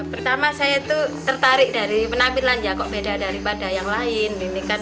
pertama saya itu tertarik dari penampilannya kok beda daripada yang lain